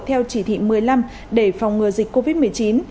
theo chỉ thị một mươi năm để phòng ngừa dịch covid một mươi chín